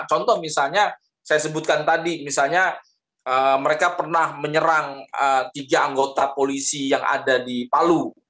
contoh misalnya saya sebutkan tadi misalnya mereka pernah menyerang tiga anggota polisi yang ada di palu